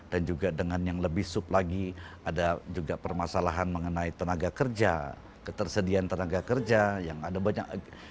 juga dengan yang lebih sub lagi ada juga permasalahan mengenai tenaga kerja ketersediaan tenaga kerja yang ada banyak